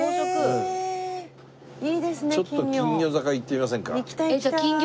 ちょっと金魚坂行ってみませんか？